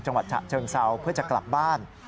จังหวัดฉะเชิงเซาเพื่อจะกลับบ้าน